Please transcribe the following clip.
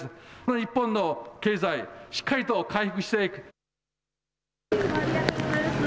日本の経済、しっかりと回復していく。